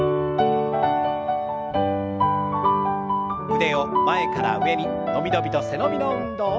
腕を前から上に伸び伸びと背伸びの運動。